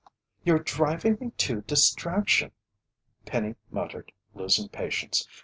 "You're driving me to distraction!" Penny muttered, losing patience.